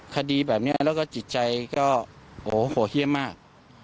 คดีแบบนี้แล้วก็จิตใจก็โหดเยี่ยมมาก